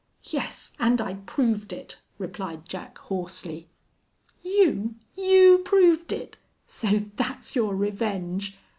"Yes, and I proved it," replied Jack, hoarsely. "You! You proved it? So that's your revenge?...